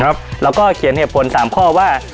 แล้วก็เขียนเหตุผล๓ข้อว่า